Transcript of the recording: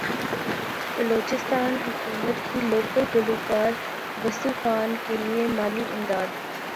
بلوچستان حکومت کی لوک گلوکار واسو خان کیلئے مالی امداد